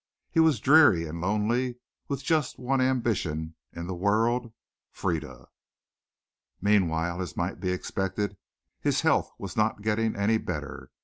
He was dreary and lonely with just one ambition in the world Frieda. Meanwhile, as might be expected, his health was not getting any better.